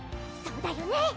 そうだよね？